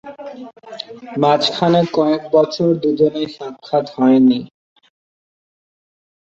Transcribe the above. মাঝখানে কয়েক বছর দু'জনের সাক্ষাৎ হয়নি।